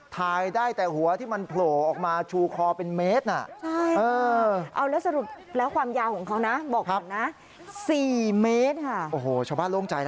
ถ่ายได้แต่หัวที่มันโผล่ออกมาชูคอเป็นเมตรน่ะ๔เมตร